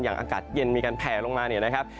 อย่างอากาศเย็นมีการแผ่ลงมา